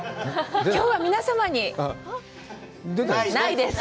きょうは皆様にないです。